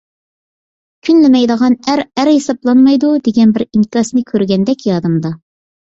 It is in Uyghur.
«كۈنلىمەيدىغان ئەر، ئەر ھېسابلانمايدۇ» دېگەن بىر ئىنكاسنى كۆرگەندەك يادىمدا.